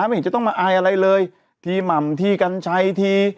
ไม่เห็นจะต้องมาอายอะไรเลยทีหม่ำทีกัญชัยที